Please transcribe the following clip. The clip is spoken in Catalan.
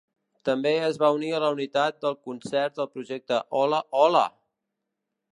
També es va unir a la unitat del concert del Projecte Hola, Hola!